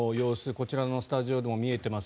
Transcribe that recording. こちらのスタジオでも見えています。